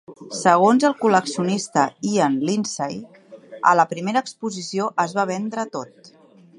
Segons el col·leccionista Ian Lindsay, a la primera exposició es va vendre tot.